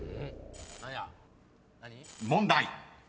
［問題］